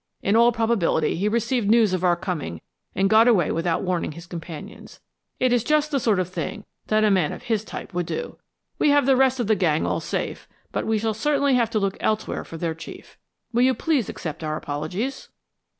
In all probability he received news of our coming and got away without warning his companions. It is just the sort of thing that a man of his type would do. We have the rest of the gang all safe, but we shall certainly have to look elsewhere for their chief. Will you please accept our apologies?"